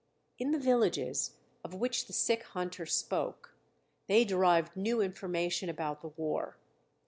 In the villages, of which the sick hunter spoke, they derived new information about the war.